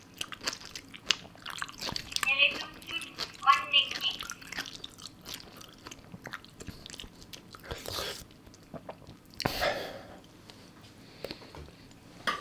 Niġisuktut manniŋnik.